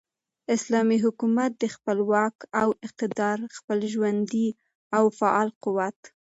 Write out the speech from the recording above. اسلامي حكومت دخپل واك او اقتدار ،خپل ژوندي او فعال قوت ،